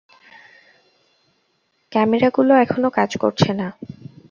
ক্যামেরাগুলো এখনো কাজ করছে না।